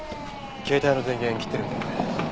携帯の電源切ってるみたいで。